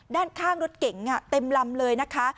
ด้านข้างรถเก๋งเต็มลำเลยนะคะ